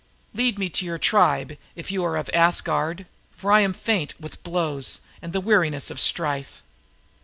Lead me to your tribe, if you are of Asgard, for I am faint with the weariness of strife."